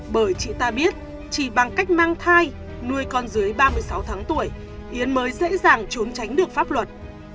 bởi chị ta biết chỉ bằng cách mang thai nuôi con dưới ba mươi sáu tháng tuổi yến mới dễ dàng trốn tránh được pháp luật